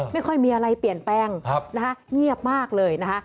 ไม่ค่อยมีอะไรเปลี่ยนแปลงนะคะเงียบมากเลยนะคะ